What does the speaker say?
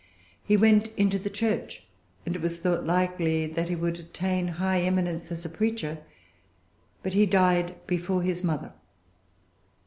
He went into the church, and it was thought likely that he would attain high eminence as a preacher; but he died before his mother.